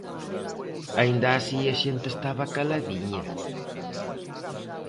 Aínda así a xente estaba caladiña.